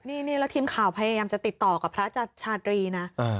นี่แล้วทีมข่าวพยายามจะติดต่อกับพระอาจารย์ชาตรีนะ